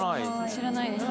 知らないです。